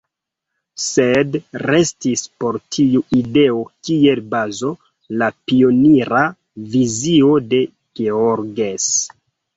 Sed restis por tiu ideo kiel bazo la pionira vizio de Georges.